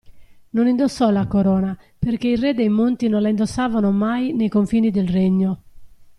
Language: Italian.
Non indossò la corona, perché i re dei Monti non la indossavano mai nei confini del Regno.